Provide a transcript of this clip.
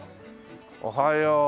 おはよう。